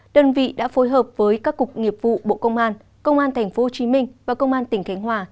đơn vị đã phối hợp với các cục nghiệp vụ bộ công an công an tp hcm và công an tỉnh khánh hòa